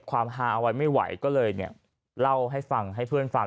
ความฮาเอาไว้ไม่ไหวก็เลยเนี่ยเล่าให้ฟังให้เพื่อนฟัง